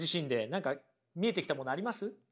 何か見えてきたものあります？